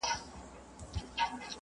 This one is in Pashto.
زه درسونه نه اورم!؟